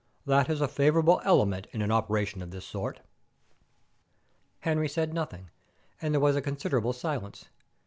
That is a favourable element in an operation of this sort." Henry said nothing, and there was a considerable silence.